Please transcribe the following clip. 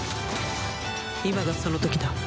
今がその時だ。